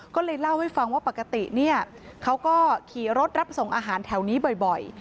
ก็เลยเล่าให้ฟังว่าปกติเนี่ยเขาก็ขี่รถรับส่งอาหารแถวนี้บ่อย